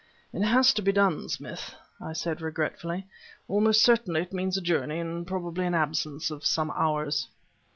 "It has to be done, Smith," I said, regretfully. "Almost certainly it means a journey and probably an absence of some hours."